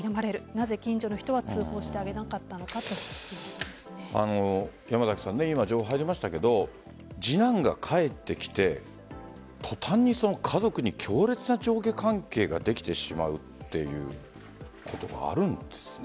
なぜ、近所の人は通報してあげなかったのか今、情報が入りましたが次男が帰ってきて途端に家族に強烈な上下関係ができてしまうっていうことがあるんですね。